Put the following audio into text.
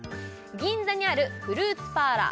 銀座にあるフルーツパーラー